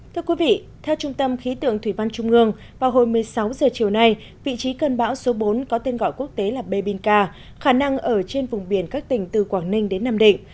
thưa quý vị theo trung tâm khí tượng thủy văn trung ương vào hồi một mươi sáu h chiều nay vị trí cơn bão số bốn có tên gọi quốc tế là b binca khả năng ở trên vùng biển các tỉnh từ quảng ninh đến nam định